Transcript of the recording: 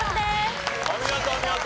お見事お見事。